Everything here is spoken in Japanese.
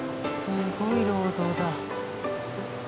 すごい労働だ。